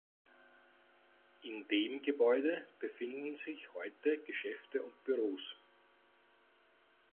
In dem Gebäude befinden sich heute Geschäfte und Büros.